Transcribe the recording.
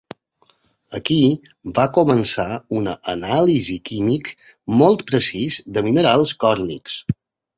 Aquí, va començar una anàlisi químic molt precís de minerals còrnics.